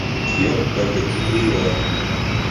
Kiom da veturiloj!